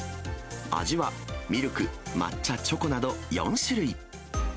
味はミルク、抹茶、チョコなど４種類。